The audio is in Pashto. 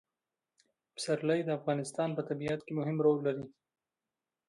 پسرلی د افغانستان په طبیعت کې مهم رول لري.